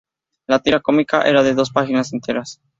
La tira cómica era de dos páginas enteras.